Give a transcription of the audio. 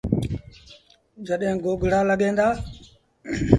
جڏهيݩ گوگڙآ لڳيٚن دآ